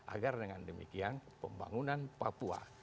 agar dengan demikian pembangunan papua